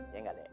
ya enggak dek